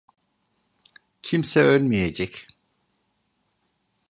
Kimse ölmeyecek.